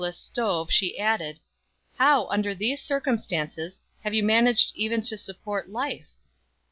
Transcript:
F 2 68 STRANGE STORIES stove, she added, " How, under these circumstances, have you managed even to support life